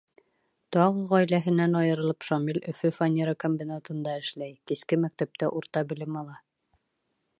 Тағы ғаиләһенән айырылып, Шамил Өфө фанера комбинатында эшләй, киске мәктәптә урта белем ала.